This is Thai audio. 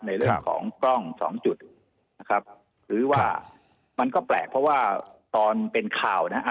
ในเรื่องของกล้องสองจุดนะครับหรือว่ามันก็แปลกเพราะว่าตอนเป็นข่าวนะฮะ